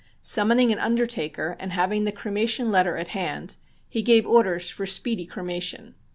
Summoning an undertaker and having the cremation letter at hand, he gave orders for speedy cremation.